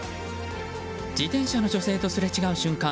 自転車の女性とすれ違う瞬間